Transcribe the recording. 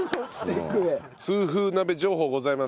痛風鍋情報ございます。